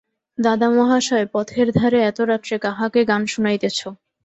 দাদামহাশয় পথের ধারে এত রাত্রে কাহাকে গান শুনাইতেছ?